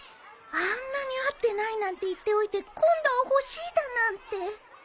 あんなに「合ってない」なんて言っておいて今度は欲しいだなんて